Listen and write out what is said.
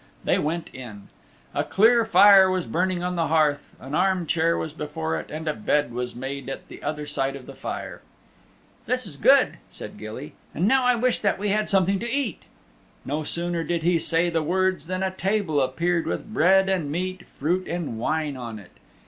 They went in. A clear fire was burning on the hearth, an arm chair was before it, and a bed was made at the other side of the fire. "This is good," said Gilly, "and now I wish that we had something to eat." No sooner did he say the words than a table appeared with bread and meat, fruit and wine on it.